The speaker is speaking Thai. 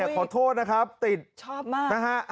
ขอโทษนะครับติดชอบมากนะฮะ